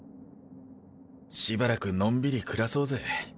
しばらくのんびり暮らそうぜ。